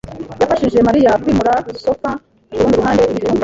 yafashije Mariya kwimura sofa kurundi ruhande rwicyumba.